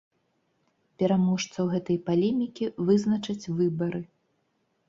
Пераможцаў гэтай палемікі вызначаць выбары.